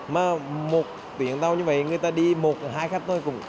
mà một tuyển tàu như vậy người ta đi một hay hai khách thôi